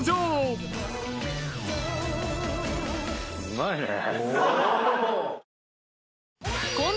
うまいね。